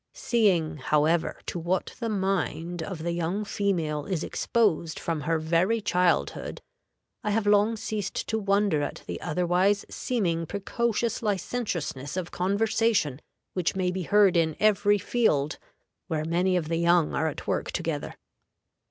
_Seeing, however, to what the mind of the young female is exposed from her very childhood, I have long ceased to wonder at the otherwise seeming precocious licentiousness of conversation which may be heard in every field where many of the young are at work together.